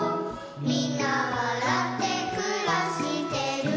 「みんなわらってくらしてる」